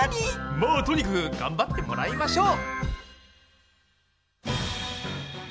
まあとにかく頑張ってもらいましょう！